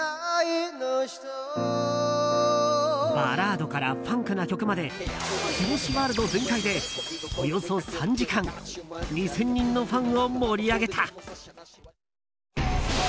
バラードからファンクな曲まで剛ワールド全開で、およそ３時間２０００人のファンを盛り上げた。